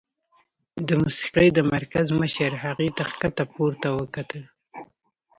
د موسيقۍ د مرکز مشر هغې ته ښکته پورته وکتل.